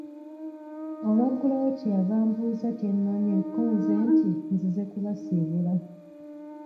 Olwaggulawo kye yava ambuuza kye nnonye ko nze nti nzize kubasiibula.